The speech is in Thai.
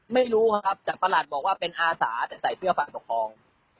ไม่รู้ครับจากประหลัดบอกว่าเป็นอาสาแต่ใส่เสื้อฝ่ายปกครอง